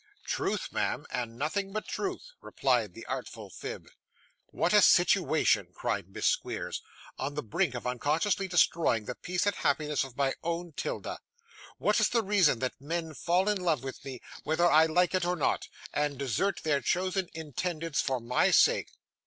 'Truth, ma'am, and nothing but truth,' replied the artful Phib. 'What a situation!' cried Miss Squeers; 'on the brink of unconsciously destroying the peace and happiness of my own 'Tilda. What is the reason that men fall in love with me, whether I like it or not, and desert their chosen intendeds for my sake?